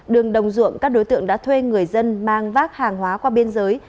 đường đồng ruộng các đối tượng đã thuê người dân mang vác hàng hóa qua biên giới